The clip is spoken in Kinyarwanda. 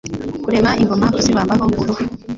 Kurema ingoma Kuzibambaho uruhu